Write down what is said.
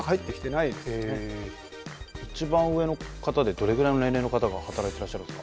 いちばん上の方でどれぐらいの年齢の方が働いてらっしゃるんですか？